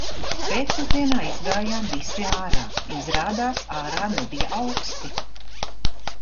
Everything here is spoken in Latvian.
Pēcpusdienā izgājām visi ārā. Izrādās ārā nebija auksti.